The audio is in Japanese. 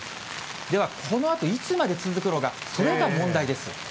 では、このあといつまで続くのか、それが問題です。